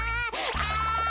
あ！